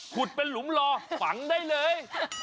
ขุดเป็นหลุมรอฝังได้เลย